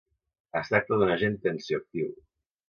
Es tracta d'un agent tensioactiu.